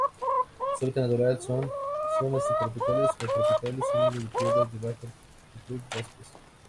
Su hábitat natural son:zonas subtropicales o tropicales húmedas de tierras de baja altitud bosques.